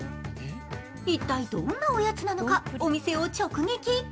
一体どんなおやつなのかお店を直撃。